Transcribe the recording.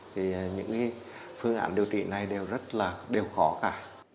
thì những phương án điều trị này đều rất là đều khó cả